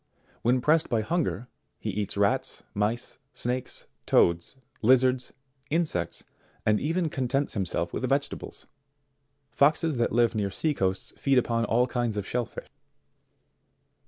When pressed by hunger, he eats rats, mice, snakes, toads, lizards, in sects, and even contents himself with vegetables. Foxes that live near sea coasts feed upon all kinds of shell fish.